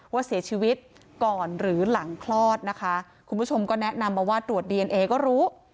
ว่าเสียชีวิตก่อนหรือหลังคลอดนะคะคุณผู้ชมก็แนะนำมาว่าตรวจดีเอนเอก็รู้